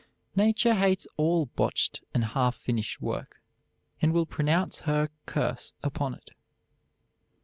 Nature hates all botched and half finished work, and will pronounce her curse upon it.